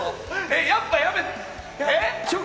やっぱやめ貯金